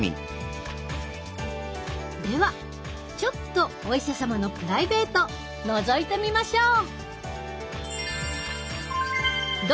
ではちょっとお医者様のプライベートのぞいてみましょう！